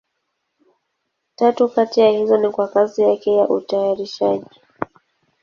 Tatu kati ya hizo ni kwa kazi yake ya utayarishaji.